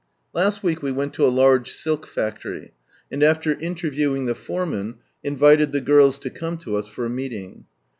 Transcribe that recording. Last week we went to a large silk factory, and after interviewing the foreman, invited the girls to come lo us for a meeting.